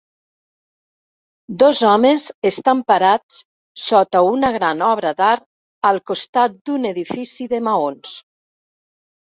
Dos homes estan parats sota una gran obra d'art al costat d'un edifici de maons.